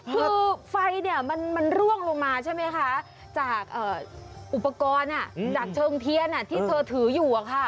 คือไฟเนี่ยมันร่วงลงมาใช่ไหมคะจากอุปกรณ์จากเชิงเทียนที่เธอถืออยู่